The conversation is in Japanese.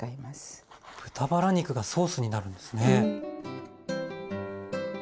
豚バラ肉がソースになるんですね。